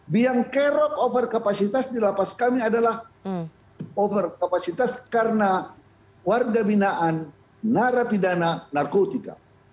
biang kerok over kapasitas di lapas kami adalah over kapasitas karena warga binaan narapidana narkotika